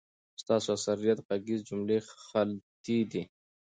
ستاسو اکثریت غږیز جملی خلطی دی